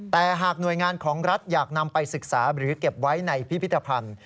แต่หากหน่วยงานของรัฐอยากนำไปศึกษาหรือเก็บไว้ในพิพิธภัณฑ์